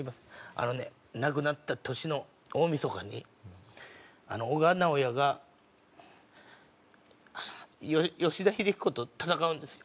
あのね亡くなった年の大みそかに小川直也が吉田秀彦と戦うんですよ。